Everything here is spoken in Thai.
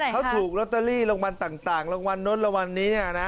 เขาถูกโรตเตอรี่รางวัลต่างรางวัลน้นต์รางวัลนี้